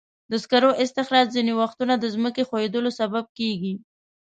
د سکرو استخراج ځینې وختونه د ځمکې ښویېدلو سبب کېږي.